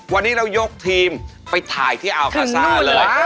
วันนี้เรายกทีมไปถ่ายที่อัลคาซ่าเลย